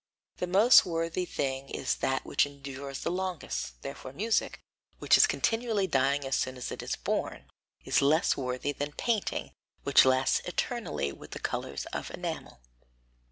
The most worthy thing is that which endures longest; therefore music, which is continually dying as soon as it is born, is less worthy than painting, which lasts eternally with the colours of enamel.